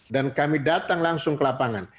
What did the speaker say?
dan kami datang langsung ke lapangan